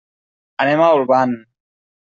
Anem a Olvan.